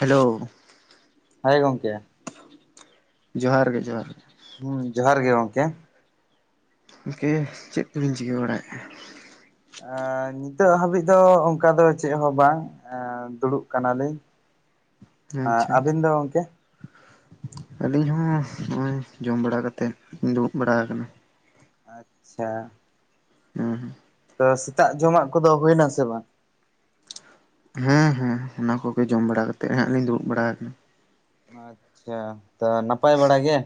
Hello ᱦᱟᱹᱭ ᱜᱚᱝᱠᱮ ᱡᱚᱦᱟᱨ ᱜᱮ ᱡᱚᱦᱟᱨ ᱦᱩᱸ ᱡᱚᱦᱟᱨ ᱜᱮ ᱜᱚᱝᱠᱮ ᱠᱮ ᱪᱮᱫ ᱠᱚᱵᱤᱧ ᱪᱤᱠᱟᱹ ᱵᱟᱲᱟᱭᱮᱜ-ᱟ? ᱱᱤᱛᱚᱜ ᱦᱟᱹᱵᱤᱡ ᱫᱚ ᱚᱱᱠᱟ ᱫᱚ ᱪᱮᱫ ᱦᱚᱸ ᱵᱟᱝ ᱫᱩᱲᱩᱵ ᱠᱟᱱᱟᱞᱤᱧ᱾ ᱮᱸ ᱟᱪᱪᱷᱟ ᱪᱷᱟ ᱟᱹᱵᱤᱱ ᱫᱚ ᱜᱚᱝᱠᱮ ᱟᱹᱞᱤᱧ ᱦᱚᱸ ᱱᱚᱜ-ᱚᱭ ᱡᱚᱢ ᱵᱟᱲᱟ ᱠᱟᱛᱮᱜ ᱫᱩᱲᱩᱵ ᱵᱟᱲᱟ ᱟᱠᱟᱱᱟ᱾ ᱟᱪᱪᱷᱟ ᱦᱩᱸ ᱦᱩᱸ ᱛᱚ ᱥᱮᱛᱟᱜ ᱡᱚᱢᱟᱜ ᱠᱚᱫᱚ ᱦᱩᱭᱱᱟ ᱥᱮ ᱵᱟᱝ? ᱦᱮᱸ ᱦᱮᱸ ᱚᱱᱟ ᱠᱚᱜᱮ ᱡᱚᱢ ᱵᱟᱲᱟ ᱠᱟᱛᱮᱫ ᱦᱟᱸᱜ ᱞᱤᱧ ᱫᱩᱲᱩᱵ ᱵᱟᱲᱟ ᱟᱠᱟᱱᱟ᱾ ᱟᱪᱪᱷᱟ ᱛᱟ ᱱᱟᱯᱟᱭ ᱵᱟᱲᱟ ᱜᱮ?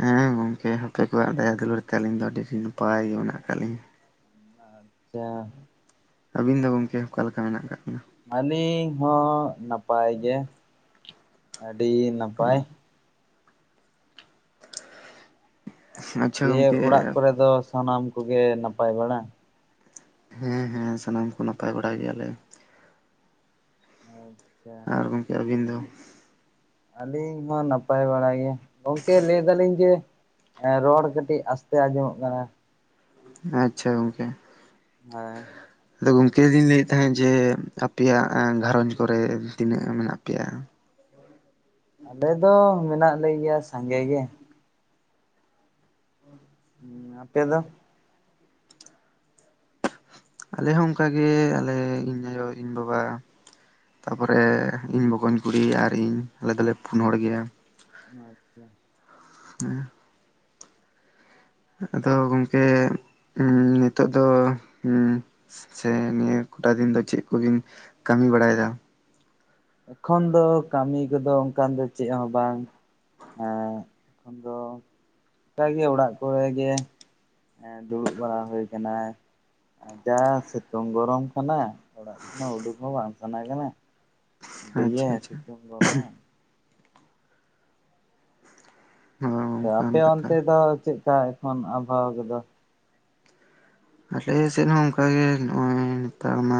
ᱦᱮᱸ ᱜᱚᱝᱠᱮ ᱦᱟᱯᱮ ᱠᱚᱣᱟᱜ ᱫᱟᱭᱟ ᱫᱩᱞᱟᱹᱲ ᱛᱮ ᱟᱹᱞᱤᱧ ᱫᱚ ᱟᱹᱰᱤ ᱱᱟᱯᱟᱭ ᱜᱮ ᱢᱮᱱᱟᱜ ᱟᱠᱟᱫ ᱞᱤᱧᱟᱹ᱾ ᱟᱪᱪᱷᱟ ᱟᱹᱵᱤᱱ ᱫᱚ ᱜᱚᱝᱠᱮ ᱚᱠᱟ ᱞᱮᱠᱟ ᱢᱮᱱᱟᱜ ᱟᱠᱟᱜ ᱵᱤᱱᱟ? ᱟᱹᱞᱤᱧ ᱦᱚᱸ ᱱᱟᱯᱟᱭ ᱜᱮ ᱟᱹᱰᱤ ᱱᱟᱯᱟᱭ᱾ ᱟᱪᱪᱷᱟ ᱫᱤᱭᱮ ᱜᱚᱝᱠᱮ ᱚᱲᱟᱜ ᱠᱚᱨᱮ ᱫᱚ ᱥᱟᱱᱟᱢ ᱠᱚᱜᱮ ᱱᱟᱯᱟᱭ ᱵᱟᱲᱟ? ᱦᱮᱸ ᱦᱮᱸ ᱥᱟᱱᱟᱢ ᱠᱚ ᱱᱟᱯᱟᱭ ᱵᱟᱲᱟ ᱜᱮᱭᱟᱞᱮ᱾ ᱢᱳ ᱪᱪᱷᱟ ᱟᱨ ᱜᱚᱢᱠᱮ ᱟᱹᱵᱤᱱ ᱫᱚ? ᱟᱹᱞᱤᱧ ᱦᱚᱸ ᱱᱟᱯᱟᱭ ᱵᱟᱲᱟ ᱜᱮ ᱜᱚᱝᱠᱮ ᱞᱟᱹᱭ ᱫᱟᱞᱤᱧ ᱡᱮ ᱮᱸ ᱨᱚᱲ ᱠᱟᱹᱴᱤᱡ ᱟᱥᱛᱮ ᱟᱸᱡᱚᱢᱚᱜ ᱠᱟᱱᱟ ᱟᱪᱪᱷᱟ ᱜᱚᱝᱠᱮ ᱦᱮᱸ ᱞᱳ ᱜᱚᱝᱠᱮ ᱟᱫᱩᱧ ᱞᱟᱹᱭᱮᱫ ᱛᱟᱦᱮᱸᱫ ᱡᱮ ᱟᱯᱮᱭᱟᱜ ᱜᱷᱟᱨᱚᱸᱡᱽ ᱠᱚᱨᱮ ᱛᱤᱱᱟᱹᱜ ᱢᱮᱱᱟᱜ ᱯᱮᱭᱟ? ᱟᱞᱮ ᱫᱚ ᱢᱮᱱᱟᱜ ᱞᱮ ᱜᱮᱭᱟ ᱥᱟᱸᱜᱮ ᱜᱮ᱾ ᱟᱯᱮ ᱫᱚ? ᱟᱞᱮ ᱦᱚᱸ ᱚᱱᱠᱟᱜᱮ ᱟᱞᱮ ᱤᱧ ᱟᱭᱳ ᱤᱧ ᱵᱟᱵᱟ ᱛᱟᱯᱚᱨᱮ ᱤᱧ ᱵᱚᱠᱚᱧ ᱠᱩᱲᱤ ᱟᱨ ᱤᱧ ᱟᱞᱮ ᱫᱚᱞᱮ ᱯᱩᱱ ᱦᱚᱲ ᱜᱮᱭᱟ᱾ ᱟᱪᱪᱷᱟ ᱦᱮᱸ ᱟᱫᱚ ᱜᱚᱝᱠᱮ ᱚᱸ ᱱᱤᱛᱚᱜ ᱫᱚ ᱚᱸ ᱥᱮ ᱱᱤᱭᱟᱹ ᱠᱚᱴᱟ ᱫᱤᱱ ᱫᱚ ᱪᱮᱫ ᱠᱚᱵᱤᱱ ᱠᱟᱹᱢᱤ ᱵᱟᱲᱟᱭᱮᱫᱟ? ᱮᱠᱷᱚᱱ ᱫᱚ ᱠᱟᱢᱤ ᱠᱚᱫᱚ ᱚᱱᱠᱟᱱ ᱫᱚ ᱪᱮᱫ ᱦᱚᱸ ᱵᱟᱝ᱾ ᱦᱮᱸ ᱮᱠᱷᱚᱱ ᱫᱚ ᱠᱟᱜᱮ ᱚᱲᱟᱜ ᱠᱚᱨᱮ ᱜᱮ ᱦᱮᱸ ᱫᱩᱲᱩᱵ ᱵᱟᱲᱟ ᱦᱩᱭᱠᱟᱱᱟ ᱦᱮᱸ ᱡᱟ ᱥᱤᱛᱩᱝ ᱜᱚᱨᱚᱢ ᱠᱟᱱᱟ ᱚᱲᱟᱜ ᱠᱷᱚᱱ ᱦᱚᱸ ᱩᱰᱩᱠ ᱦᱚᱸ ᱵᱟᱝ ᱥᱟᱱᱟ ᱠᱟᱱᱟ ᱟᱵᱤᱜᱮ ᱟᱪᱪᱷᱟ ᱟᱪᱪᱷᱟ ᱥᱤᱛᱩᱝ ᱜᱚᱨᱚᱢ ᱦᱚᱸ ᱚᱱᱠᱟᱱ ᱟᱯᱮ ᱠᱟᱛᱷᱟ ᱚᱱᱛᱮ ᱫᱚ ᱪᱮᱫᱠᱟ ᱮᱠᱷᱚᱱ ᱟᱵᱚᱦᱟᱣᱟ ᱠᱚᱫᱚ ᱟᱞᱮ ᱥᱮᱫ ᱦᱚᱸ ᱚᱝᱠᱟᱜᱮ ᱱᱚᱜᱼᱚᱭ ᱱᱮᱛᱟᱨ ᱢᱟ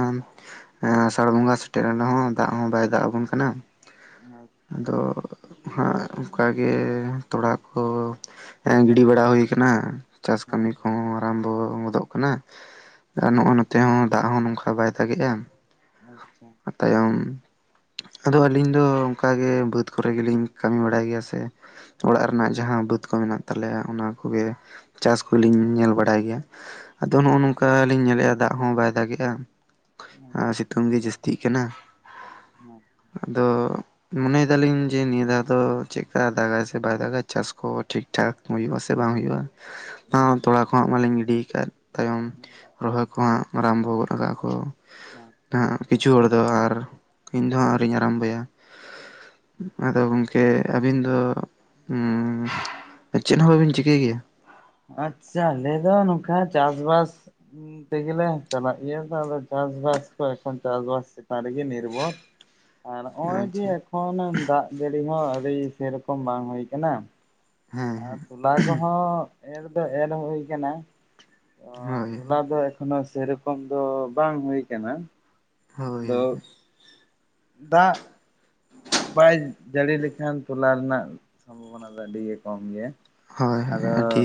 ᱮᱸ ᱟᱥᱟᱲ ᱵᱚᱸᱜᱟ ᱥᱮᱴᱮᱨᱮᱱ ᱨᱮᱦᱚᱸ ᱫᱟᱜ ᱦᱚᱸ ᱵᱟᱭ ᱫᱟᱜ ᱟᱵᱚᱱ ᱠᱟᱱᱟ ᱟᱪᱪᱷᱟ ᱦᱮᱸ ᱟᱫᱚ ᱦᱟᱸᱜ ᱚᱝᱠᱟᱜᱮ ᱛᱚᱲᱟ ᱠᱚ ᱮᱸ ᱜᱤᱰᱤ ᱵᱟᱲᱟ ᱦᱩᱭ ᱠᱟᱱᱟ ᱪᱟᱥ ᱦᱮᱸ ᱠᱟᱹᱢᱤ ᱠᱚᱦᱚᱸ ᱟᱨᱟᱢᱵᱚ ᱦᱚᱫᱚᱜ ᱠᱟᱱᱟ ᱟᱨ ᱱᱚᱜᱼᱚᱭ ᱟᱪᱪᱷᱟ ᱱᱚᱛᱮ ᱦᱚᱸ ᱫᱟᱜ ᱦᱚᱸ ᱱᱝᱠᱟ ᱵᱟᱭ ᱫᱟᱜᱮᱜᱼᱟ ᱟᱪᱪᱷᱟ ᱛᱟᱭᱚᱢ ᱟᱫᱚ ᱟᱹᱞᱤᱧ ᱫᱚ ᱚᱝᱠᱟᱜᱮ ᱵᱟᱹᱫᱽ ᱠᱚᱨᱮ ᱜᱮᱞᱤᱧ ᱠᱟᱹᱢᱤ ᱵᱟᱲᱟᱭ ᱜᱮᱭᱟ ᱥᱮ ᱚᱲᱟᱜ ᱨᱮᱱᱟᱜ ᱟᱪᱪᱷᱟ ᱡᱟᱦᱟᱸ ᱵᱟᱹᱫᱽ ᱠᱚ ᱢᱮᱱᱟᱜ ᱛᱟᱞᱮᱭᱟ ᱚᱱᱟ ᱠᱚᱜᱮ ᱪᱟᱥ ᱠᱚᱞᱤᱧ ᱧᱮᱞ ᱵᱟᱲᱟᱭ ᱜᱮᱭᱟ ᱟᱫᱚ ᱱᱚᱜᱼᱚ ᱱᱚᱝᱠᱟ ᱞᱤᱧ ᱧᱮᱞᱮᱜᱼᱟ ᱫᱟᱜ ᱦᱚᱸ ᱵᱟᱭ ᱫᱟᱜᱮᱼᱟ ᱟᱪᱪᱷᱟ ᱟᱨ ᱥᱤᱛᱩᱝ ᱜᱟ ᱡᱟᱹᱥᱛᱤᱜ ᱠᱟᱱᱟ ᱦᱮᱸ ᱟᱫᱚ ᱢᱚᱱᱮᱭ ᱫᱟᱞᱤᱧ ᱡᱮ ᱱᱤᱭᱟᱹ ᱫᱷᱟᱣ ᱫᱚ ᱪᱮᱫᱠᱟ ᱫᱟᱜᱟᱭ ᱥᱮ ᱵᱟᱭ ᱫᱟᱜᱟ ᱪᱟᱥ ᱠᱚ ᱴᱷᱤᱠ ᱴᱷᱟᱠ ᱦᱩᱭᱩᱜᱼᱟ ᱥᱮ ᱵᱟᱝ ᱦᱩᱭᱩᱜᱼᱟ ᱛᱚᱲᱟ ᱠᱚᱦᱟᱸᱜ ᱢᱟᱞᱤᱧ ᱜᱤᱰᱤᱭ ᱠᱟᱫ ᱛᱟᱭᱚᱢ ᱟᱪᱪᱷᱟ ᱨᱚᱦᱚᱭ ᱠᱚᱦᱟᱸᱜ ᱟᱨᱟᱢᱵᱚ ᱜᱚᱫ ᱠᱟᱜᱼᱟ ᱠᱚ ᱦᱮᱸ ᱦᱟᱸᱜ ᱠᱤᱪᱷᱩ ᱦᱚᱲ ᱫᱚ ᱟᱨ ᱤᱧ ᱫᱚ ᱦᱟᱸᱜ ᱟᱹᱣᱨᱤᱧ ᱟᱨᱟᱢᱵᱚᱭᱟ ᱟᱫᱚ ᱜᱚᱝᱠᱮ ᱟᱹᱵᱤᱱ ᱫᱚ ᱪᱮᱫ ᱦᱚᱸ ᱵᱟᱹᱵᱤᱱ ᱪᱤᱠᱟᱹᱭ ᱜᱮᱭᱟ ᱟᱪᱪᱷᱟ ᱟᱞᱮ ᱫᱚ ᱱᱚᱝᱠᱟ ᱪᱟᱥᱵᱟᱥ ᱦᱩᱸ ᱛᱮᱜᱮᱞᱮ ᱪᱟᱞᱟᱹᱜᱮᱭᱟᱹ ᱛᱚ ᱟᱫᱚ ᱪᱟᱥ ᱵᱟᱟᱥ ᱠᱚ ᱮᱠᱷᱚᱱ ᱪᱟᱥ ᱵᱟᱟᱥ ᱪᱮᱛᱟᱱ ᱨᱮ ᱜᱮ ᱱᱤᱨᱵᱷᱚᱨ ᱟᱨ ᱱᱚᱜᱼᱚᱭ ᱡᱮ ᱟᱪᱪᱷᱟ ᱮᱠᱷᱚᱱ ᱫᱟᱜ ᱡᱟᱹᱲᱤ ᱦᱚᱸ ᱟᱹᱲᱤ ᱥᱮ ᱨᱚᱠᱚᱢ ᱵᱟᱝ ᱦᱩᱭ ᱟᱠᱟᱱᱟ ᱦᱮᱸ ᱟᱨ ᱦᱮᱸ ᱛᱚᱞᱟ ᱠᱚᱦᱚᱸ ᱮᱨ ᱫᱚ ᱮᱨ ᱦᱩᱭ ᱠᱟᱱᱟ ᱛᱚ ᱦᱳᱭ ᱛᱚᱞᱟ ᱫᱚ ᱮ ᱢᱟᱱᱮ ᱥᱮᱨᱚᱠᱚᱢ ᱫᱚ ᱵᱟᱝ ᱦᱩᱭ ᱠᱟᱱᱟ ᱦᱳᱭ ᱟᱫᱚ ᱦᱳᱭ ᱦᱳᱭ ᱫᱟᱜ ᱵᱟᱭ ᱡᱟᱹᱲᱤ ᱞᱮᱠᱷᱟᱱ ᱛᱚᱞᱟ ᱨᱮᱱᱟᱜ ᱥᱚᱢᱵᱷᱚᱵᱚᱱᱟ ᱫᱚ ᱟᱰᱤᱜᱮ ᱠᱚᱢ ᱜᱮᱭᱟ ᱦᱳᱭ ᱦᱳᱭ ᱟᱫᱚ ᱟᱹᱰᱤ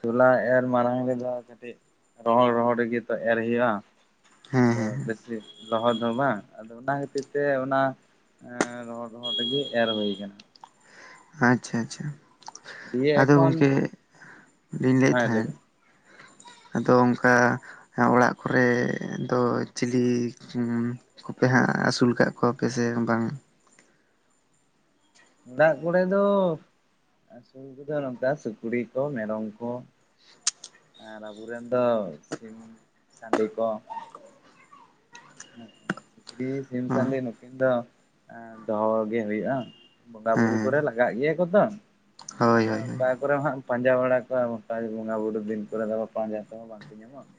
ᱪᱚᱞᱟ ᱮᱨ ᱢᱟᱲᱟᱝ ᱨᱮᱫᱚ ᱠᱟᱹᱴᱤᱡ ᱨᱚᱦᱚᱲ ᱨᱚᱦᱚᱲ ᱨᱮᱜᱮ ᱛᱚ ᱮᱨ ᱦᱩᱭᱩᱜᱼᱟ ᱦᱮᱸ ᱟᱫᱚ ᱦᱮᱸ ᱵᱮᱥᱤ ᱞᱚᱦᱚᱫ ᱫᱚ ᱵᱟᱝ ᱟᱫᱚ ᱚᱱᱟ ᱠᱷᱟᱹᱛᱤᱨ ᱛᱮ ᱚᱱᱟ ᱮ ᱨᱚᱦᱚᱲ ᱨᱚᱦᱚᱲ ᱨᱮᱜᱮ ᱮᱨ ᱦᱳᱭ ᱠᱟᱱᱟ ᱟᱪᱪᱷᱟ ᱟᱪᱪᱷᱟ ᱫᱤᱭᱮ ᱟᱫᱚ ᱮᱠᱷᱚᱱ ᱜᱚᱝᱠᱮ ᱞᱤᱧ ᱞᱟᱹᱭᱮᱫ ᱦᱮᱸ ᱞᱟᱹᱭ ᱛᱟᱦᱮᱫ ᱵᱮᱱ ᱟᱫᱚ ᱚᱝᱠᱟ ᱚᱲᱟᱜ ᱠᱚᱨᱮ ᱫᱚ ᱪᱤᱞᱤ ᱦᱩᱸ ᱠᱚᱯᱮ ᱦᱟᱜ ᱟᱥᱩᱞ ᱠᱟᱜ ᱠᱚᱣᱟᱯᱮ ᱥᱮ ᱵᱟᱝ ᱚᱲᱟᱜ ᱠᱚᱨᱮ ᱫᱚ ᱟᱥᱩᱞ ᱠᱚᱫᱚ ᱱᱚᱝᱠᱟ ᱥᱩᱠᱨᱤ ᱠᱚ ᱢᱮᱨᱚᱢ ᱠᱚ ᱟᱨ ᱟᱵᱚᱨᱮᱱ ᱫᱚ ᱥᱤᱢ ᱥᱟᱺᱰᱤ ᱠᱚ ᱥᱩᱠᱨᱤ ᱥᱤᱢ ᱥᱟᱺᱰᱤ ᱱᱩᱠᱤᱱ ᱫᱚ ᱮ ᱫᱚᱦᱚ ᱜᱮ ᱦᱩᱭᱩᱜᱼᱟ ᱵᱚᱸᱜᱟ ᱵᱩᱨᱩ ᱦᱮᱸ ᱠᱚᱨᱮ ᱞᱟᱜᱟᱜ ᱜᱮᱭᱟ ᱠᱚᱛᱚ ᱦᱳᱭ ᱟᱫᱚ ᱦᱳᱭ ᱚᱝᱠᱟ ᱠᱚᱨᱮ ᱦᱟᱜ ᱯᱟᱸᱡᱟ ᱵᱟᱲᱟ ᱠᱚᱣᱟ ᱚᱱᱠᱟ ᱵᱚᱸᱜᱟ ᱵᱩᱨᱩ ᱫᱤᱱ ᱠᱚᱨᱮ ᱫᱚ ᱯᱟᱸᱡᱟ ᱛᱮᱦᱚᱸ ᱵᱟᱝᱠᱚ ᱧᱟᱢᱚᱜᱼᱟ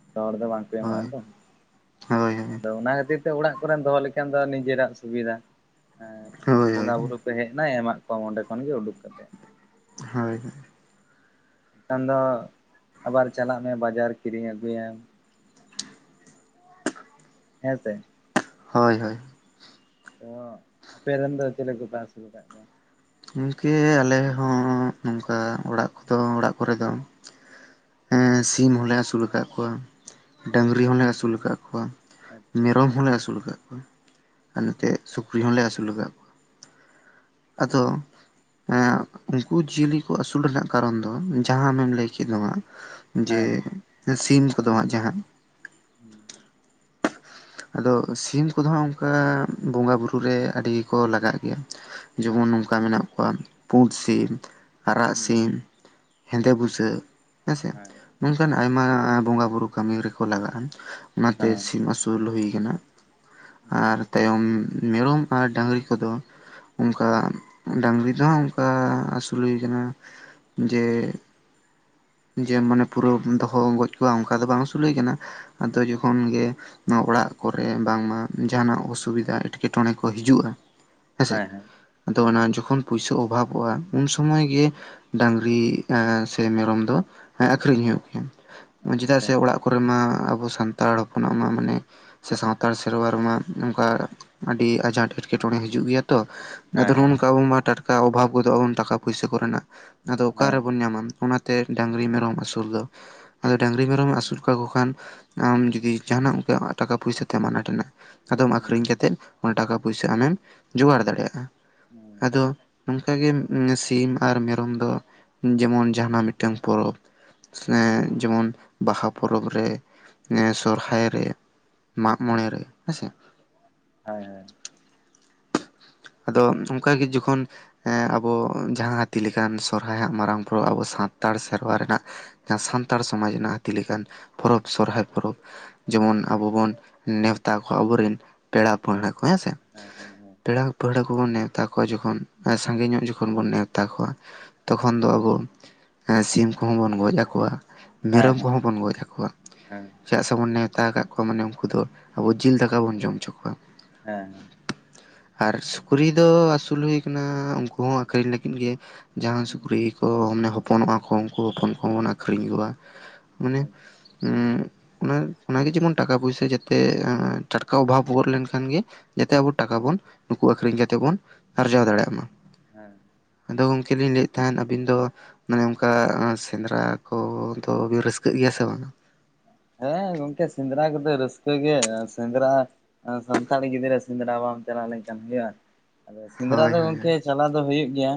ᱡᱚᱛᱚ ᱦᱚᱲ ᱫᱚ ᱵᱟᱝᱠᱚ ᱮᱢᱚᱜᱼᱟ ᱦᱳᱭ ᱛᱚ ᱦᱳᱭ ᱦᱳᱭ ᱟᱫᱚ ᱚᱱᱟ ᱠᱷᱟᱹᱛᱤᱨ ᱛᱮ ᱚᱲᱟᱜ ᱠᱚᱨᱮᱢ ᱫᱚᱦᱚ ᱞᱮᱠᱷᱟᱱ ᱫᱚ ᱱᱤᱡᱮᱨᱟᱜ ᱥᱩᱵᱤᱫᱷᱟ ᱦᱳᱭ ᱵᱚᱸᱜᱟ ᱵᱩᱨᱩ ᱯᱮ ᱦᱮᱡ ᱮᱱᱟ ᱮᱢᱟᱜ ᱠᱚᱣᱟᱢ ᱚᱸᱰᱮ ᱠᱷᱚᱱ ᱜᱮ ᱩᱰᱩᱠ ᱠᱟᱛᱮ ᱦᱳᱭ ᱠᱷᱟᱱ ᱫᱚ ᱟᱵᱟᱨ ᱪᱟᱞᱟᱜ ᱢᱮ ᱵᱟᱡᱟᱨ ᱠᱤᱨᱤᱧ ᱟᱜᱩᱭᱮᱢ ᱦᱮᱸ ᱥᱮ ᱦᱳᱭ ᱦᱳᱭ ᱛᱚ ᱟᱯᱮᱨᱮᱱ ᱫᱚ ᱪᱮᱞᱮ ᱠᱚᱯᱮ ᱟᱹᱥᱩᱞ ᱟᱠᱟᱫ ᱠᱚᱣᱟ? ᱜᱚᱢᱠᱮ ᱟᱞᱮ ᱦᱚᱸ ᱱᱚᱝᱠᱟ ᱚᱲᱟᱜ ᱠᱚᱫᱚ ᱚᱲᱟᱜ ᱠᱚᱨᱮ ᱫᱚ ᱮᱸ ᱥᱤᱢ ᱦᱚᱞᱮ ᱟᱹᱥᱩᱞ ᱟᱠᱟᱫ ᱠᱚᱣᱟ ᱰᱟᱹᱝᱨᱤ ᱟᱪᱪᱷᱟ ᱦᱚᱞᱮ ᱟᱹᱥᱩᱞ ᱟᱠᱟᱫ ᱠᱚᱣᱟ ᱟᱪᱪᱷᱟ ᱢᱮᱨᱚᱢ ᱦᱚᱞᱮ ᱟᱹᱥᱩᱞ ᱟᱠᱟᱫ ᱠᱚᱣᱟ ᱟᱨ ᱱᱚᱛᱮ ᱥᱩᱠᱨᱤ ᱦᱚᱞᱮ ᱟᱹᱥᱩᱞ ᱟᱪᱪᱷᱟ ᱟᱠᱟᱫ ᱠᱚᱣᱟ ᱟᱫᱚ ᱮᱸ ᱩᱱᱠᱩ ᱡᱤᱭᱟᱹᱞᱤ ᱠᱚ ᱟᱹᱥᱩᱞ ᱨᱮᱱᱟᱜ ᱠᱟᱨᱚᱱ ᱫᱚ ᱡᱟᱦᱟᱸ ᱟᱢᱮᱢ ᱞᱟᱹᱭ ᱠᱮᱫ ᱱᱚᱣᱟ ᱡᱮ ᱦᱮᱸ ᱦᱮᱸ ᱥᱤᱢ ᱠᱚᱫᱚ ᱦᱟᱜ ᱡᱟᱦᱟ ᱦᱮᱸ ᱟᱫᱚ ᱥᱤᱢ ᱠᱚᱫᱚ ᱦᱟᱸᱜ ᱚᱱᱠᱟ ᱵᱚᱸᱜᱟ ᱵᱩᱨᱩ ᱨᱮ ᱟᱹᱰᱤ ᱜᱮᱠᱚ ᱞᱟᱜᱟᱜ ᱜᱮᱭᱟ ᱡᱮᱢᱚᱱ ᱟᱪᱪᱷᱟ ᱱᱚᱝᱠᱟ ᱢᱮᱱᱟᱜ ᱠᱚᱣᱟ ᱯᱩᱸᱰ ᱥᱤᱢ ᱟᱨᱟᱜ ᱦᱮᱸ ᱥᱤᱢ ᱦᱮᱸᱫᱮ ᱵᱩᱥᱟᱹᱜ ᱦᱮᱸᱥᱮ ᱦᱮᱸ ᱱᱚᱝᱠᱟᱱ ᱟᱭᱢᱟ ᱵᱚᱸᱜᱟ ᱵᱩᱨᱩ ᱠᱟᱹᱢᱤ ᱨᱮᱠᱚ ᱞᱟᱜᱟᱜᱼᱟ ᱚᱱᱟᱛᱮ ᱟᱪᱪᱷᱟ ᱥᱤᱢ ᱟᱥᱩ ᱟᱹᱥᱩᱞ ᱦᱩᱭ ᱟᱠᱟᱱᱟ ᱟᱨ ᱛᱟᱭᱚᱢ ᱢᱮᱨᱚᱢ ᱟᱨ ᱰᱟᱝᱨᱤ ᱠᱚᱫᱚ ᱚᱱᱠᱟ ᱰᱟᱝᱨᱤ ᱫᱚ ᱦᱟᱸᱜ ᱚᱱᱠᱟ ᱟᱥᱩᱞ ᱦᱩᱭ ᱠᱟᱱᱟ ᱡᱮ ᱡᱮ ᱢᱟᱱᱮ ᱯᱩᱨᱟᱹ ᱫᱚᱦᱚ ᱜᱚᱡ ᱠᱚᱣᱟ ᱚᱱᱠᱟ ᱫᱚ ᱵᱟᱝ ᱟᱹᱥᱩᱞ ᱦᱳᱭ ᱠᱟᱱᱟ ᱟᱫᱚ ᱡᱚᱠᱷᱚᱱ ᱜᱮ ᱱᱚᱣᱟ ᱚᱲᱟᱜ ᱠᱚᱨᱮ ᱵᱟᱝᱢᱟ ᱡᱟᱦᱟᱱᱟᱜ ᱚᱥᱩᱵᱤᱫᱟ ᱮᱴᱠᱮᱴᱚᱲᱮ ᱠᱚ ᱦᱤᱡᱩᱜᱼᱟ ᱦᱮᱸᱥᱮ, ᱦᱮᱸ ᱦᱮᱸ ᱟᱫᱚ ᱦᱮᱸ ᱚᱱᱟ ᱡᱚᱠᱷᱚᱱ ᱯᱩᱭᱥᱟᱹ ᱚᱵᱷᱟᱵᱚᱜᱼᱟ ᱩᱱ ᱥᱚᱢᱚᱭ ᱜᱮ ᱰᱟᱝᱨᱤ ᱮᱸ ᱥᱮ ᱢᱮᱨᱚᱢ ᱫᱚ ᱟᱠᱷᱨᱤᱧ ᱦᱩᱭᱩᱜ ᱜᱮᱭᱟ ᱪᱮᱫᱟᱜ ᱟᱪᱪᱷᱟ ᱥᱮ ᱚᱲᱟᱜ ᱠᱚᱨᱮ ᱢᱟ ᱟᱵᱚ ᱥᱟᱱᱛᱟᱲ ᱦᱚᱯᱚᱱᱟᱜ ᱢᱟ ᱢᱟᱱᱮ ᱥᱮ ᱥᱟᱱᱛᱟᱲ ᱥᱮᱨᱣᱟ ᱨᱮᱢᱟ ᱱᱚᱝᱠᱟ ᱟᱹᱰᱤ ᱟᱸᱡᱷᱟᱸᱴ ᱮᱴᱠᱮᱴᱚᱲᱮ ᱦᱤᱡᱩᱜ ᱜᱮᱭᱟ ᱛᱚ ᱟᱫᱚ ᱦᱮᱸ ᱱᱚᱜᱼᱚ ᱦᱮᱸ ᱱᱚᱝᱠᱟ ᱟᱵᱚᱢᱟ ᱴᱟᱴᱠᱟ ᱚᱵᱷᱟᱵ ᱜᱚᱫᱚᱜ ᱟᱵᱚᱱ ᱴᱟᱠᱟ ᱯᱚᱭᱥᱟ ᱠᱚᱨᱮᱱᱟᱜ ᱟᱫᱚ ᱦᱮᱸ ᱦᱮᱸ ᱦᱮᱸ ᱦᱮᱸ ᱦᱮᱸ ᱦᱮᱸ ᱦᱮᱸ ᱦᱮᱸ ᱚᱠᱟ ᱦᱮᱸ ᱦᱮᱸ ᱦᱮᱸ ᱦᱮᱸ ᱦᱮᱸ ᱨᱮᱵᱚᱱ ᱧᱟᱢᱟ ᱚᱱᱟᱛᱮ ᱰᱟᱝᱨᱤ ᱢᱮᱨᱚᱢ ᱟᱹᱥᱩᱞ ᱫᱚ ᱟᱫᱚ ᱰᱟᱹᱟᱝᱨᱤ ᱢᱮᱨᱚᱢ ᱟᱹᱥᱩᱞ ᱠᱟᱠᱚ ᱠᱷᱟᱱ ᱟᱢ ᱡᱩᱫᱤ ᱡᱟᱦᱟᱱᱟᱜ ᱚᱱᱠᱟ ᱴᱟᱠᱟ ᱯᱚᱭᱥᱟ ᱛᱮ ᱟᱱᱟᱴ ᱮᱱᱟᱜ ᱟᱫᱚᱢ ᱟᱠᱷᱨᱤᱧ ᱠᱟᱛᱮᱫ ᱚᱱᱟ ᱴᱟᱠᱟ ᱯᱚᱭᱥᱟ ᱟᱢᱮᱢ ᱡᱳᱜᱟᱲ ᱫᱟᱲᱮᱭᱟᱜᱼᱟ ᱦᱩᱸ ᱟᱫᱚ ᱱᱚᱝᱠᱟ ᱜᱮ ᱥᱤᱢ ᱟᱨ ᱢᱮᱨᱚᱢ ᱫᱚ ᱡᱮᱢᱚᱱ ᱡᱟᱦᱟᱸᱱᱟᱜ ᱢᱤᱫ ᱢᱤᱫᱴᱟᱝ ᱯᱚᱨᱚᱵᱽ ᱮᱸ ᱡᱮᱢᱚᱱ ᱵᱟᱦᱟ ᱯᱚᱨᱚᱵᱽ ᱨᱮ ᱥᱚᱨᱦᱟᱭ ᱨᱮ ᱢᱟᱜᱢᱚᱬᱮ ᱨᱮ ᱦᱮᱸᱥᱮ ᱦᱟᱭ ᱦᱟᱭ ᱟᱫᱚ ᱚᱱᱠᱟᱜᱮ ᱡᱚᱠᱷᱚᱱ ᱮᱸ ᱟᱵᱚ ᱡᱟᱦᱟᱸ ᱦᱟᱹᱛᱤ ᱞᱮᱠᱟᱱ ᱥᱚᱨᱦᱟᱭ ᱦᱟᱸᱜ ᱢᱟᱨᱟᱝ ᱯᱚᱨᱚᱵ ᱟᱵᱚ ᱥᱟᱱᱛᱟᱲ ᱥᱮᱨᱣᱟ ᱨᱮᱱᱟᱜ ᱡᱟᱦᱟᱸ ᱥᱟᱱᱛᱟᱲ ᱥᱚᱢᱟᱡᱽ ᱨᱮᱱᱟᱜ ᱦᱟᱹᱛᱤ ᱞᱮᱠᱟᱱ ᱯᱚᱨᱚᱵᱽ ᱥᱚᱨᱦᱟᱭ ᱯᱚᱨᱚᱵᱽ ᱡᱮᱢᱚᱱ ᱟᱵᱚ ᱵᱚᱱ ᱱᱮᱣᱛᱟ ᱠᱚᱣᱟ ᱟᱵᱚᱨᱮᱱ ᱯᱮᱲᱟ ᱯᱟᱹᱲᱦᱟᱹ ᱠᱚ ᱦᱮᱸ ᱥᱮ ᱦᱮᱸ ᱦᱮᱸ ᱦᱮᱸ ᱯᱮᱲᱟ ᱯᱟᱹᱲᱦᱟᱹ ᱠᱚᱵᱚᱱ ᱱᱮᱣᱛᱟ ᱠᱚᱣᱟ ᱡᱚᱠᱷᱚᱱ ᱥᱟᱸᱜᱤᱧ ᱧᱚᱜ ᱡᱚᱠᱷᱚᱱ ᱵᱚᱱ ᱱᱮᱣᱛᱟ ᱢᱮᱛᱟ ᱠᱚᱣᱟ ᱛᱚᱠᱷᱚᱱ ᱫᱚ ᱟᱵᱚ ᱥᱤᱢ ᱠᱚᱦᱚᱸ ᱵᱚᱱ ᱜᱚᱡ ᱟᱠᱚᱣᱟ ᱢᱮᱨᱚᱢ ᱠᱚᱦᱚᱸ ᱵᱚᱱ ᱜᱚᱡ ᱟᱠᱚᱣᱟ ᱪᱮᱫᱟᱜ ᱥᱮᱵᱚᱱ ᱱᱮᱣᱛᱟ ᱟᱠᱟᱫ ᱠᱚᱣᱟ ᱢᱟᱱᱮ ᱩᱱᱠᱩ ᱫᱚ ᱟᱵᱚ ᱡᱤᱞ ᱫᱟᱠᱟ ᱵᱚᱱ ᱡᱚᱢ ᱦᱚᱪᱚ ᱠᱚᱣᱟ ᱦᱮᱸ ᱦᱮᱸ ᱟᱨ ᱥᱩᱠᱨᱤ ᱫᱚ ᱟᱹᱥᱩᱞ ᱦᱩᱭ ᱟᱠᱟᱱᱟ ᱩᱱᱠᱩ ᱦᱚᱸ ᱟᱹᱠᱷᱨᱤᱧ ᱞᱟᱹᱜᱤᱫ ᱜᱮ ᱡᱟᱦᱟᱸ ᱥᱩᱠᱨᱤ ᱠᱚ ᱢᱟᱱᱮ ᱦᱚᱯᱚᱱᱚᱜᱼᱟ ᱠᱚ ᱩᱱᱠᱩ ᱦᱚᱯᱚᱱ ᱠᱚᱦᱚᱸᱵᱚᱱ ᱟᱹᱠᱷᱨᱤᱧ ᱠᱚᱣᱟ ᱢᱟᱱᱮ ᱩᱸᱜ ᱚᱱᱮ ᱚᱱᱟᱜᱮ ᱡᱮᱢᱚᱱ ᱴᱟᱠᱟ ᱯᱚᱭᱥᱟ ᱡᱟᱛᱮ ᱴᱟᱴᱠᱟ ᱚᱵᱷᱟᱵ ᱜᱚᱫ ᱞᱮᱱ ᱠᱷᱟᱱ ᱜᱮ ᱡᱟᱛᱮ ᱟᱵᱚ ᱴᱟᱠᱟ ᱵᱚᱱ ᱩᱠᱩ ᱦᱮᱸ ᱦᱮᱸ ᱦᱮᱸ ᱟᱹᱷᱨᱤᱧ ᱠᱟᱛᱮᱫ ᱵᱚᱱ ᱟᱨᱡᱟᱣ ᱫᱟᱲᱮᱭᱟᱜ ᱢᱟ᱾ ᱦᱮᱸ᱾ ᱟᱫᱚ ᱜᱚᱝᱠᱮ ᱞᱤᱧ ᱞᱟᱹᱭᱮᱫ ᱛᱟᱦᱮᱸᱫ ᱟᱹᱵᱤᱱ ᱫᱚ ᱢᱟᱱᱮ ᱚᱱᱠᱟ ᱥᱮᱸᱫᱽᱨᱟ ᱠᱚᱫᱚ ᱵᱤᱱ ᱨᱟᱹᱥᱠᱟᱹᱜ ᱜᱮᱭᱟ ᱥᱮ ᱵᱟᱝ? ᱦᱮᱸ ᱜᱚᱢᱠᱮ ᱥᱮᱸᱫᱽᱨᱟ ᱠᱚᱫᱚ ᱨᱟᱹᱥᱠᱟᱹ ᱜᱮ, ᱥᱮᱸᱫᱽᱨᱟ ᱥᱟᱱᱛᱟᱲᱤ ᱜᱤᱫᱽᱨᱟᱹ ᱥᱮᱸᱫᱽᱨᱟ ᱵᱟᱢ ᱪᱟᱞᱟᱣ ᱞᱮᱱ ᱠᱷᱟᱱ ᱦᱩᱭᱩᱜᱼᱟ᱾ ᱟᱫᱚ ᱥᱮᱸᱫᱽᱨᱟ ᱦᱳᱭ ᱫᱚ ᱦᱳᱭ ᱜᱚᱝᱠᱮ ᱦᱳᱭ ᱪᱟᱞᱟᱣ ᱫᱚ ᱦᱩᱭᱩᱜ ᱜᱮᱭᱟ,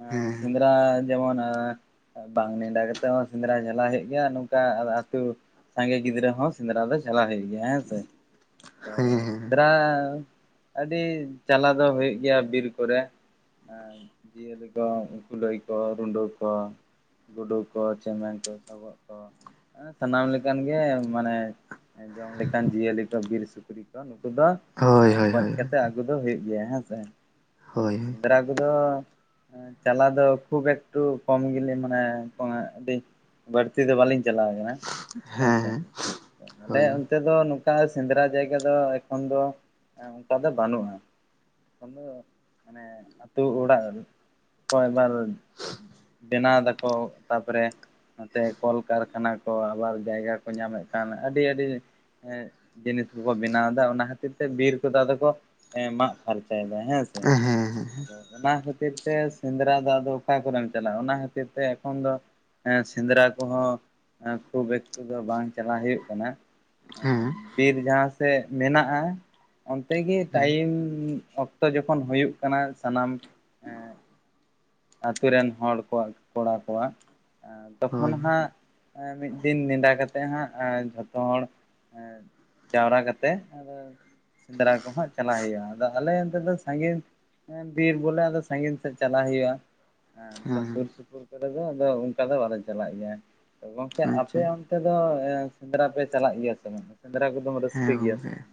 ᱟ ᱦᱮᱸ ᱥᱮᱸᱫᱽᱨᱟ ᱡᱮᱢᱚᱱ ᱵᱟᱝ ᱱᱮᱰᱟ ᱠᱟᱛᱮᱫ ᱦᱚᱸ ᱥᱮᱸᱫᱽᱨᱟ ᱪᱟᱞᱟᱣ ᱦᱩᱭᱩᱜ ᱜᱮᱭᱟ ᱱᱚᱝᱠᱟ ᱟᱫᱚ ᱡᱮᱢᱚᱱ ᱟᱹᱛᱳ ᱥᱟᱸᱜᱮ ᱜᱤᱫᱽᱨᱟᱹ ᱦᱚᱸ ᱥᱮᱸᱫᱽᱨᱟ ᱫᱚ ᱪᱟᱞᱟᱣ ᱦᱩᱭᱩᱜ ᱜᱮᱭᱟ ᱦᱮᱸ ᱥᱮ, ᱛᱚ ᱦᱮᱸ ᱦᱮᱸ ᱥᱮᱸᱫᱽᱨᱟ ᱟᱹᱰᱤ ᱪᱟᱞᱟᱣ ᱫᱚ ᱦᱩᱭᱩᱜ ᱜᱮᱭᱟ ᱵᱤᱨ ᱠᱚᱨᱮ, ᱡᱤᱭᱟᱹᱞᱤ ᱠᱚ ᱠᱩᱞᱟᱹᱭ ᱠᱚ ᱨᱩᱸᱰᱟ ᱠᱚ ᱜᱩᱰᱳ ᱠᱚ ᱪᱮᱢᱮᱧ ᱠᱚ ᱥᱚᱜᱚᱜ ᱠᱚ ᱥᱟᱱᱟᱢ ᱞᱮᱠᱟᱱ ᱜᱮ ᱢᱟᱱᱮ ᱡᱚᱢ ᱞᱮᱠᱟᱱ ᱡᱤᱭᱟᱹᱞᱤ ᱠᱚ ᱵᱤᱨ ᱥᱩᱠᱨᱤ ᱠᱚ ᱱᱩᱠᱩ ᱫᱚ ᱦᱳᱭ ᱦᱳᱭ ᱜᱚᱡ ᱦᱳᱭ ᱠᱟᱛᱮ ᱟᱹᱜᱩ ᱫᱚ ᱦᱩᱭᱩᱜ ᱜᱮᱭᱟ ᱦᱮᱸ ᱥᱮ, ᱮᱸ ᱦᱳᱭ ᱦᱮᱸ ᱥᱮᱸᱫᱽᱨᱟ ᱠᱚᱫᱚ ᱪᱟᱞᱟᱣ ᱫᱚ ᱠᱷᱩᱵ ᱮᱠᱴᱩ ᱠᱚᱢ ᱜᱮᱞᱤ ᱢᱟᱱᱮ ᱟᱹᱰᱤ ᱵᱟᱹᱲᱛᱤ ᱫᱚ ᱵᱟᱞᱤᱧ ᱪᱟᱞᱟᱣ ᱠᱟᱱᱟ ᱦᱮᱸᱥᱮ ᱦᱮᱸ ᱛᱚ ᱟᱞᱮ ᱦᱳᱭ ᱱᱚᱱ ᱛᱮᱫ ᱫᱚ ᱱᱚᱝᱠᱟ ᱥᱮᱸᱫᱽᱨᱟ ᱡᱟᱭᱜᱟ ᱫᱚ ᱮᱠᱷᱚᱱ ᱫᱚ ᱮᱸ ᱚᱱᱠᱟ ᱫᱚ ᱵᱟᱹᱱᱩᱜᱼᱟ, [unintelligible] ᱢᱟᱱᱮ ᱟᱹᱛᱩ ᱚᱲᱟᱜ ᱠᱷᱚᱱ ᱮᱵᱟᱨ ᱵᱮᱱᱟᱣ ᱫᱟᱠᱚ ᱛᱟᱯᱚᱨᱮ ᱱᱚᱛᱮ ᱠᱚᱞ ᱠᱟᱨ ᱠᱷᱟᱱᱟ ᱠᱚ ᱟᱵᱟᱨ ᱡᱟᱭᱜᱟ ᱠᱚ ᱧᱟᱢᱮᱫ ᱠᱟᱱ ᱟᱹᱰᱤ ᱟᱹᱰᱤ ᱮᱸᱜ ᱡᱤᱱᱤᱥ ᱠᱚᱠᱚ ᱵᱮᱱᱟᱣᱮᱫᱟ ᱚᱱᱟ ᱠᱷᱟᱹᱛᱤᱨ ᱛᱮ ᱵᱤᱨ ᱠᱚᱫᱚ ᱟᱫᱚ ᱠᱚ ᱮᱸ ᱢᱟᱜ ᱯᱷᱟᱨᱪᱟᱭᱫᱟ ᱦᱮᱸ ᱥᱮ ᱩᱸ ᱦᱩᱸ ᱦᱩᱸ᱾ ᱟᱫᱚ ᱚᱱᱟ ᱠᱷᱟᱹᱛᱤᱨ ᱛᱮ ᱥᱮᱸᱫᱽᱨᱟ ᱫᱚ ᱟᱫᱚ ᱚᱠᱟ ᱠᱚᱨᱮᱢ ᱪᱟᱞᱟᱜᱼᱟ, ᱚᱱᱟ ᱠᱷᱟᱹᱛᱤᱨ ᱛᱮ ᱮᱠᱷᱚᱱ ᱫᱚ ᱮᱸ ᱥᱮᱸᱫᱽᱨᱟ ᱠᱚᱦᱚᱸ ᱠᱷᱩᱵ ᱮᱠᱴᱩ ᱫᱚ ᱵᱟᱝ ᱪᱟᱞᱟᱣ ᱦᱩᱭᱩᱜ ᱠᱟᱱᱟ ᱮᱸ ᱦᱮᱸ ᱵᱤᱨ ᱡᱟᱦᱟᱸ ᱥᱮᱫ ᱢᱮᱱᱟᱜᱼᱟ ᱚᱱᱛᱮ ᱜᱮ ᱦᱮᱸ ᱴᱟᱭᱤᱢ ᱚᱠ ᱛᱚ ᱡᱚᱠᱷᱚᱱ ᱦᱩᱭᱩᱜ ᱠᱟᱱᱟ, ᱥᱟᱱᱟᱢ ᱮᱸᱜ ᱟᱹᱛᱩ ᱨᱮᱱ ᱦᱚᱲ ᱠᱚᱣᱟᱜ ᱠᱚᱲᱟ ᱠᱚᱣᱟᱜ ᱛᱚᱠᱷᱚᱱ ᱦᱳᱭ ᱦᱟᱸᱜ ᱮᱸ ᱢᱤᱫ ᱫᱤᱱ ᱱᱮᱰᱟ ᱠᱟᱛᱮᱜ ᱦᱟᱸᱜ ᱡᱷᱚᱛᱚ ᱦᱚᱲ ᱡᱟᱣᱨᱟ ᱠᱟᱛᱮ ᱟᱫᱚ ᱥᱮᱸᱫᱽᱨᱟ ᱠᱚᱦᱚᱸ ᱪᱟᱞᱟᱜ ᱦᱩᱭᱩᱜᱼᱟ ᱟᱫᱚ ᱟᱞᱮ ᱚᱱᱛᱮ ᱫᱚ ᱥᱟᱺᱜᱤᱧ ᱮᱸ ᱵᱤᱨ ᱵᱚᱞᱮ ᱟᱫᱚ ᱥᱟᱺᱜᱤᱧ ᱥᱮᱜ ᱪᱟᱞᱟᱜ ᱦᱩᱭᱩᱜᱼᱟ᱾ ᱦᱮᱸ ᱱᱚᱝᱠᱟ ᱥᱩᱨ ᱥᱩᱯᱩᱨ ᱠᱚᱨᱮ ᱫᱚ ᱟᱫᱚ ᱚᱱᱠᱟ ᱫᱚ ᱵᱟᱞᱮ ᱪᱟᱞᱟᱜ ᱜᱮᱭᱟ ᱜᱚᱝᱠᱮ ᱟᱯᱮ ᱟᱪᱪᱷᱟ ᱚᱱ ᱛᱮ ᱫᱚ ᱥᱮᱸᱫᱽᱨᱟ ᱯᱮ ᱪᱟᱞᱟᱜ ᱜᱮᱭᱟ ᱥᱮ ᱵᱟᱝ ᱥᱮᱸᱫᱽᱨᱟ ᱠᱚᱫᱚᱢ ᱨᱟᱹᱥᱠᱟᱹ ᱦᱮᱸ ᱜᱮᱭᱟ ᱥᱮ ᱜᱚᱝᱠᱮ ᱵᱟᱝ?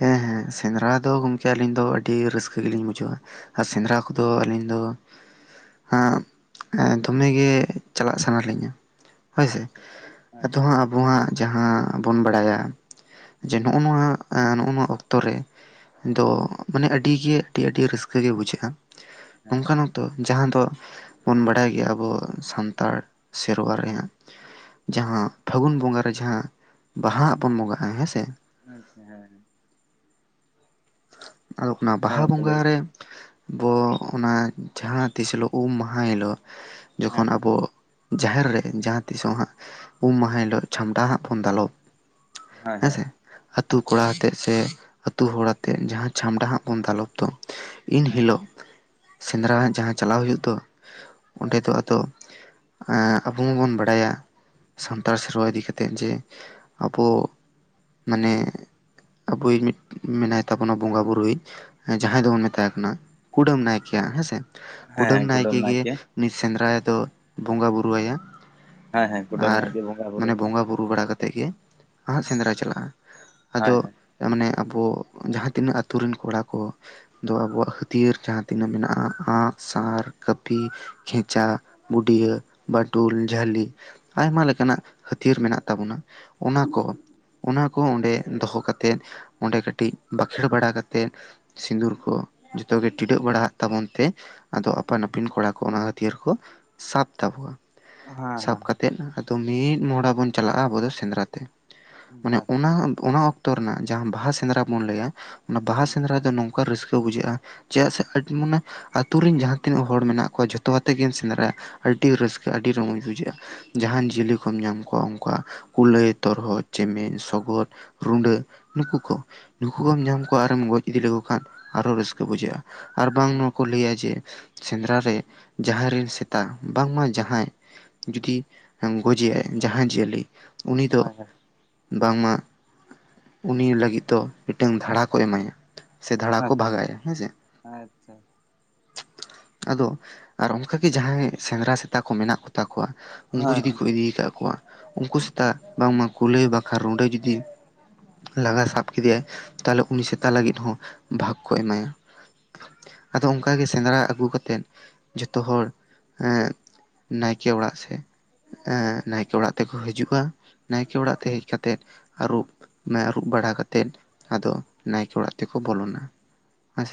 ᱦᱮᱸ ᱦᱮᱸ ᱥᱮᱸᱫᱽᱨᱟ ᱫᱚ ᱜᱚᱝᱠᱮ ᱟᱹᱞᱤᱧ ᱫᱚ ᱟᱹᱰᱤ ᱨᱟᱹᱥᱠᱟᱹ ᱜᱮᱞᱤᱧ ᱵᱩᱡᱷᱟᱹᱣᱟ᱾ ᱟ ᱥᱮᱸᱫᱽᱨᱟ ᱟᱪᱪᱷᱟ ᱠᱚᱫᱚ ᱟᱹᱞᱤᱧ ᱫᱚ ᱟᱸᱜ ᱟᱸ ᱫᱷᱚᱢᱮ ᱜᱮ ᱪᱟᱞᱟᱜ ᱥᱟᱱᱟ ᱞᱤᱧᱟ᱾ ᱦᱮᱸ ᱥᱮ ᱟᱪᱪᱷᱟ ᱟᱪᱪᱷᱟ ᱟᱫᱚ ᱦᱟᱸᱜ ᱟᱵᱚ ᱦᱟᱸᱜ ᱡᱟᱦᱟᱸ ᱵᱚᱱ ᱵᱟᱲᱟᱭᱟ, ᱡᱮ ᱦᱮᱸ ᱱᱚᱜᱼᱚ ᱱᱚᱣᱟ ᱟᱸ ᱱᱚᱜᱼᱚ ᱱᱚᱣᱟ ᱚᱠᱛᱚ ᱨᱮ ᱫᱚ ᱦᱮᱸ ᱢᱟᱱᱮ ᱟᱹᱰᱤ ᱜᱮ ᱟᱹᱰᱤ ᱟᱹᱰᱤ ᱨᱟᱹᱥᱠᱟᱹ ᱜᱮ ᱵᱩᱡᱷᱟᱹᱜᱼᱟ, ᱦᱮᱸ ᱚᱝᱠᱟ ᱚᱠ ᱛᱚ ᱡᱟᱦᱟᱸ ᱫᱚ ᱵᱚᱱ ᱵᱟᱲᱟᱭ ᱜᱮᱭᱟ ᱟᱵᱚ ᱥᱟᱱᱛᱟᱲ ᱥᱮᱨᱣᱟ ᱨᱮᱭᱟᱜ ᱡᱟᱦᱟᱸ ᱯᱷᱟᱹᱜᱩᱱ ᱵᱚᱸᱜᱟ ᱨᱮ ᱡᱟᱦᱟᱸ ᱵᱟᱦᱟ ᱦᱟᱸᱜ ᱵᱚᱱ ᱵᱚᱸᱜᱟᱜᱼᱟ ᱦᱮᱸᱥᱮ, ᱟᱪᱪᱷᱟ ᱦᱮᱸ ᱦᱮᱸ᱾ ᱟᱫᱚ ᱚᱱᱟ ᱦᱮᱸ ᱵᱟᱦᱟ ᱜᱚᱝᱠᱮ ᱵᱚᱸᱜᱟ ᱞᱟᱹᱭ ᱵᱤᱱ ᱨᱮ ᱵᱚ ᱚᱱᱟ ᱡᱟᱦᱟᱸ ᱛᱤᱥ ᱦᱤᱞᱳᱜ ᱩᱢ ᱢᱟᱦᱟ ᱦᱤᱞᱳᱜ ᱦᱮᱸ ᱡᱚᱠᱷᱚᱱ ᱦᱮᱸ ᱟᱵᱚ ᱡᱟᱦᱮᱨ ᱨᱮ ᱡᱟᱦᱟᱸ ᱛᱤᱥᱚᱜ ᱦᱟᱸᱜ ᱩᱢ ᱢᱟᱦᱟ ᱦᱤᱞᱳᱜ ᱪᱷᱟᱢᱰᱟ ᱦᱟᱸᱜ ᱵᱚᱱ ᱫᱟᱞᱚᱵ ᱦᱳᱭ ᱦᱳᱭ ᱦᱮᱸᱥᱮ ᱟᱹᱛᱩ ᱠᱚᱲᱟ ᱦᱳᱭ ᱟᱛᱮᱜ ᱥᱮ ᱟᱹᱛᱩ ᱦᱚᱲ ᱟᱛᱮᱫ ᱡᱟᱦᱟᱸ ᱪᱷᱟᱢᱰᱟ ᱦᱟᱸᱜ ᱵᱚᱱ ᱫᱟᱞᱚᱵ ᱫᱚ ᱤᱱ ᱦᱳᱭ ᱦᱤᱞᱳᱜ, ᱥᱮᱸᱫᱽᱨᱟ ᱡᱟᱦᱟᱸ ᱪᱟᱞᱟᱣ ᱦᱩᱭᱩᱜ ᱫᱚ ᱚᱸᱰᱮ ᱦᱳᱭ ᱫᱚ ᱟᱫᱚ ᱮᱸᱜ ᱟᱵᱚ ᱢᱟ ᱵᱚᱱ ᱵᱟᱲᱟᱭᱟ ᱥᱟᱱᱛᱟᱲ ᱥᱮᱨᱣᱟ ᱤᱫᱤ ᱠᱟᱛᱮᱜ ᱡᱮ ᱟᱵᱚ ᱢᱟᱱᱮ ᱟᱵᱚᱭᱤᱧ ᱢᱤᱫ ᱢᱮᱱᱟᱭ ᱛᱟᱵᱚᱱᱟ ᱵᱚᱸᱜᱟ ᱵᱩᱨᱩᱭᱤᱡ ᱡᱟᱦᱟᱸᱭ ᱫᱚᱵᱚᱱ ᱢᱮᱛᱟᱭ ᱠᱟᱱᱟ ᱠᱩᱰᱟᱹᱢ ᱱᱟᱭᱠᱮᱭᱟᱜ ᱦᱮᱸᱥᱮ, ᱠᱩᱰᱟᱹᱢ ᱱᱟᱭᱠᱮ ᱜᱮ ᱩᱱᱤ ᱥᱮᱸᱫᱽᱨᱟ ᱫᱚ ᱵᱚᱸᱜᱟᱼᱵᱩᱨᱩᱣᱟᱭᱟ। ᱦᱮᱸ ᱦᱮᱸ ᱠᱩᱰᱟᱹᱢ ᱟᱨ ᱱᱟᱭᱠᱮ ᱵᱚᱸᱜᱟ ᱢᱟᱱᱮ ᱵᱩᱨᱩᱭ ᱵᱚᱸᱜᱟ ᱵᱩ ᱨᱩ ᱵᱟᱲᱟ ᱠᱟᱛᱮ ᱜᱮ ᱦᱟᱸᱜ ᱥᱮᱸᱫᱽᱨᱟ ᱦᱩᱸ ᱪᱟᱞᱟᱜᱼᱟ ᱦᱳᱭ ᱟᱫᱚ ᱦᱳᱭ ᱦᱮᱸ ᱢᱟᱱᱮ ᱟᱵᱚ ᱡᱟᱦᱟᱸ ᱛᱤᱱᱟᱹᱜ ᱟᱹᱛᱩ ᱨᱤᱱ ᱠᱚᱲᱟ ᱠᱚ ᱫᱚ ᱟᱵᱚᱣᱟᱜ ᱦᱟᱹᱛᱤᱭᱟᱹᱨ ᱡᱟᱦᱟᱸ ᱛᱤᱱᱟᱹᱜ ᱢᱮᱱᱟᱜᱼᱟ ᱟᱸᱜ, ᱥᱟᱨ, ᱠᱟᱹᱯᱤ, ᱠᱷᱮᱸᱪᱟ, ᱵᱩᱰᱭᱟᱹ, ᱵᱟᱹᱴᱩᱞ, ᱡᱷᱟᱹᱞᱤ ᱟᱭᱢᱟ ᱞᱮᱠᱟᱱᱟᱜ ᱦᱟᱹᱛᱤᱭᱟᱹᱨ ᱢᱮᱱᱟᱜ ᱛᱟᱵᱚᱱᱟ ᱚᱱᱟ ᱠᱚ, ᱚᱱᱟ ᱠᱚ ᱚᱸᱰᱮ ᱫᱚᱦᱚ ᱠᱟᱛᱮᱜ ᱚᱸᱰᱮ ᱠᱟᱹᱴᱤᱡ ᱵᱟᱠᱷᱮᱲ ᱵᱟᱲᱟ ᱠᱟᱛᱮᱜ, ᱥᱤᱸᱫᱩᱨ ᱠᱚ ᱡᱚᱛᱚ ᱜᱮ ᱴᱤᱰᱟᱹᱜ ᱵᱟᱲᱟ ᱟᱜ ᱛᱟᱵᱚᱱ ᱛᱮ, ᱟᱫᱚ ᱟᱯᱟᱱ ᱟᱹᱯᱤᱱ ᱠᱚᱲᱟᱠᱚ ᱚᱱᱟ ᱦᱟᱹᱛᱤᱭᱟᱹᱨ ᱠᱚ ᱥᱟᱵ ᱛᱟᱵᱚᱣᱟ᱾ ᱦᱮᱸ ᱟᱪᱪᱷᱟ ᱥᱟᱵ ᱠᱟᱛᱮᱫ ᱟᱫᱚ ᱢᱤᱫ ᱢᱚᱦᱰᱟ ᱵᱚᱱ ᱪᱟᱞᱟᱜᱼᱟ ᱟᱵᱚ ᱫᱚ ᱥᱮᱸᱫᱽᱨᱟ ᱛᱮ। ᱢᱟᱱᱮ ᱦᱮᱸ ᱚᱱᱟ ᱚᱱᱟ ᱚᱠᱛᱚ ᱨᱮᱱᱟᱜ ᱡᱟᱦᱟᱸ ᱵᱟᱦᱟ ᱥᱮᱸᱫᱽᱨᱟ ᱵᱚᱱ ᱞᱟᱹᱭᱟ ᱚᱱᱟ ᱵᱟᱦᱟ ᱥᱮᱸᱫᱽᱨᱟ ᱫᱚ ᱱᱚᱝ ᱱᱚᱝᱠᱟ ᱨᱟᱹᱥᱠᱟᱹ ᱵᱩᱡᱷᱟᱹᱜᱼᱟ ᱪᱮᱫᱟᱜ ᱥᱮ ᱠᱟᱹᱴᱤᱡ ᱢᱟᱱᱮ ᱟᱹᱛᱩ ᱨᱮᱱ ᱡᱟᱦᱟᱸ ᱛᱤᱱᱟᱹᱜ ᱦᱚᱲ ᱢᱮᱱᱟᱜ ᱠᱚᱣᱟ ᱡᱷᱚᱛᱚ ᱟᱛᱮ ᱜᱮᱢ ᱥᱮᱸᱫᱽᱨᱟ ᱟᱹᱰᱤ ᱨᱟᱹᱥᱠᱟᱹ ᱟᱹᱰᱤ ᱨᱚᱢᱚᱡᱽ ᱵᱩᱡᱷᱟᱹᱜᱼᱟ᱾ ᱦᱮᱸ ᱡᱟᱦᱟᱱ ᱡᱤᱭᱟᱹᱞᱤ ᱠᱚᱢ ᱧᱟᱢ ᱠᱚᱣᱟ ᱩᱱ ᱠᱚᱣᱟᱜ ᱠᱩᱞᱟᱹᱭ, ᱛᱚᱨᱦᱚᱜ, ᱪᱮᱢᱮᱧ, ᱥᱚᱜᱚᱫ, ᱨᱩᱸᱰᱟᱹ ᱱᱩᱠᱩ ᱠᱚ ᱱᱩᱠᱩ ᱠᱚᱢ ᱧᱟᱢ ᱠᱚᱣᱟ ᱟᱨᱮᱢ ᱜᱚᱡ ᱤᱫᱤ ᱞᱮᱠᱚ ᱠᱷᱟᱱ ᱟᱨᱦᱚ ᱨᱟᱹᱥᱠᱟᱹ ᱵᱩᱡᱷᱟᱹᱜᱼᱟ ᱟᱨ ᱵᱟᱝ ᱱᱚ ᱦᱳᱭ ᱠᱚ ᱞᱟᱹᱭᱟ ᱡᱮ ᱥᱮᱸᱫᱽᱨᱟ ᱨᱮ ᱡᱟᱦᱟᱸᱭ ᱨᱮᱱ ᱥᱮᱛᱟ ᱵᱟᱝᱢᱟ ᱡᱟᱦᱟᱸᱭ ᱡᱩᱫᱤ ᱜᱚᱡᱮᱭᱟᱭ ᱡᱟᱦᱟᱸ ᱡᱤᱭᱟᱹᱞᱤ ᱩᱱᱤ ᱫᱚ ᱦᱳᱭ ᱵᱟᱝᱢᱟ ᱩᱱᱤ ᱞᱟᱹᱜᱤᱫ ᱫᱚ, ᱢᱤᱫᱴᱟᱝ ᱫᱷᱟᱲᱟ ᱠᱚ ᱮᱢᱟᱭᱟ ᱥᱮ ᱫᱷᱟᱲᱟ ᱠᱚ ᱟᱪᱪᱷᱟ ᱵᱷᱟᱜᱟᱭᱟ ᱦᱮᱸᱥᱮ ᱟᱪᱪᱷᱟ ᱟᱫᱚ ᱟᱨ ᱚᱱᱠᱟ ᱜᱮ ᱡᱟᱦᱟᱸᱭ ᱥᱮᱸᱫᱽᱨᱟ ᱥᱮᱛᱟ ᱠᱚ ᱢᱮᱱᱟᱜ ᱠᱚ ᱛᱟᱠᱚᱣᱟ ᱩᱱᱠᱩ ᱦᱳᱭ ᱡᱩᱫᱤ ᱠᱚ ᱤᱫᱤ ᱟᱠᱟᱫ ᱠᱚᱣᱟ ᱩᱱᱠᱩ ᱥᱮᱛᱟ ᱵᱟᱝᱢᱟ ᱠᱩᱞᱟᱹᱭ ᱵᱟᱝᱠᱷᱟ ᱨᱩᱸᱰᱟᱹ ᱡᱩᱫᱤ ᱞᱟᱜᱟ ᱦᱳᱭ ᱥᱟᱵ ᱠᱮᱫᱮᱭᱟ, ᱛᱟᱦᱚᱞᱮ ᱩᱱᱤ ᱥᱮᱛᱟ ᱞᱟᱹᱜᱤᱫ ᱦᱚᱸ ᱵᱷᱟᱜᱽ ᱠᱚ ᱮᱢᱟᱭᱟ। ᱟᱫᱚ ᱚᱱᱠᱟ ᱜᱮ ᱥᱮᱸᱫᱽᱨᱟ ᱟᱹᱜᱩ ᱠᱟᱛᱮᱜ ᱡᱚᱛᱚ ᱦᱚᱲ ᱮᱸ ᱱᱟᱭᱠᱮ ᱚᱲᱟᱜ ᱥᱮ ᱮᱸ ᱱᱟᱭᱠᱮ ᱚᱲᱟᱜ ᱛᱮᱠᱚ ᱦᱤᱡᱩᱜᱼᱟ। ᱱᱟᱭᱠᱮ ᱚᱲᱟᱜ ᱛᱮ ᱦᱮᱡ ᱠᱟᱛᱮᱫ ᱟᱹᱨᱩᱵ, ᱟᱹᱨᱩᱵ ᱵᱟᱲᱟ ᱠᱟᱛᱮᱜ, ᱟᱫᱚ ᱱᱟᱭᱠᱮ ᱚᱲᱟᱜ ᱛᱮᱠᱚ ᱵᱚᱞᱚᱱᱟ ᱦᱮᱸ